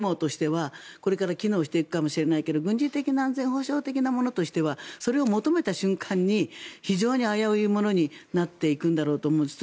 もしかしたら経済的な包囲網としてはこれから機能していくかもしれないけど軍事的な安全保障的なものとしてはそれを求めた瞬間に非常に危ういものになっていくんだろうと思うんです。